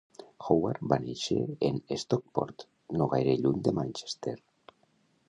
Howard va néixer en Stockport, no gaire lluny de Manchester.